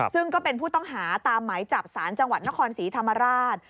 ซึ่งก็เป็นผู้ต้องหาตามหมายจับสารจังหวัดนครศรีธรรมราช